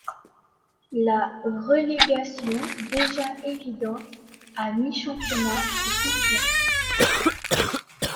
La relégation déjà évidente à mi-championnat se confirme.